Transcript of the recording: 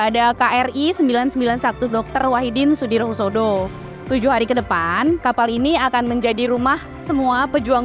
ada kri sembilan ratus sembilan puluh satu dokter wahidin sudirohusodo tujuh hari ke depan kapal ini akan menjadi rumah semua pejuang